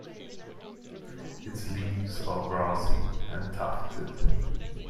Its leaves are grassy and tufted.